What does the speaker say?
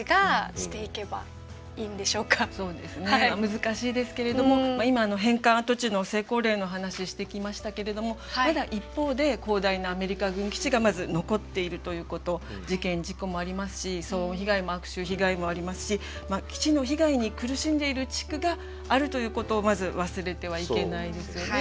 難しいですけれども今返還跡地の成功例の話してきましたけれどもただ一方で広大なアメリカ軍基地がまず残っているということ事件事故もありますし騒音被害も悪臭被害もありますし基地の被害に苦しんでいる地区があるということをまず忘れてはいけないですよね。